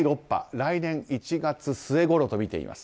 来年１月末ごろと見ています。